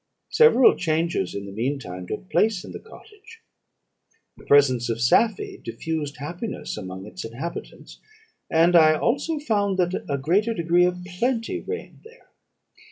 "Several changes, in the mean time, took place in the cottage. The presence of Safie diffused happiness among its inhabitants; and I also found that a greater degree of plenty reigned there.